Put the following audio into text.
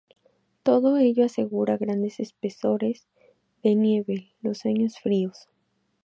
Todo ello asegura grandes espesores de nieve los años fríos.